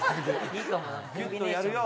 ギュッとやるよ